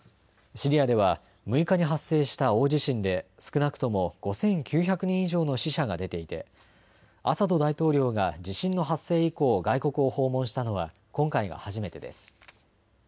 シリアでは６日に発生した大地震で少なくとも５９００人以上の死者が出ていてアサド大統領が地震の発生以降、外国を訪問したのは今回が初めてです。